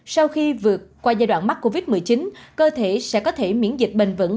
sau khi vượt qua giai đoạn mắc covid một mươi chín cơ thể sẽ có thể miễn dịch bền vững